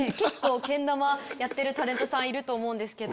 けん玉やってるタレントさんいると思うんですけど。